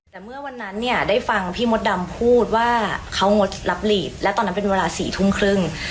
แต่เมื่อวันนั้นเนี่ยได้ฟังพี่มดดำพูดว่าเขางดรับหลีดและตอนนั้นเป็นเวลา๔ทุ่มครึ่ง